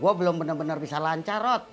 gue belum bener bener bisa lancar rot